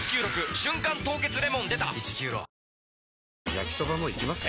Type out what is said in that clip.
焼きソバもいきます？